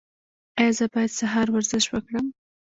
ایا زه باید سهار ورزش وکړم؟